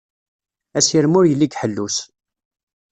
Asirem ur yelli deg ḥellu-s.